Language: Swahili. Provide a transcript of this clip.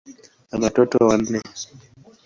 Ana watoto wanne.